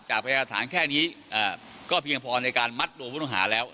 พยายามฐานแค่นี้ก็เพียงพอในการมัดตัวผู้ต้องหาแล้ว